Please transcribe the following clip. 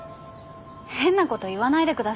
変なこと言わないでください。